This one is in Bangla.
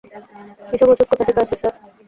এসব ওষুধ কোথা থেকে আসে, স্যার?